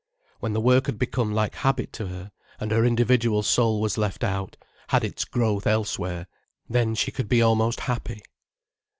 When the work had become like habit to her, and her individual soul was left out, had its growth elsewhere, then she could be almost happy.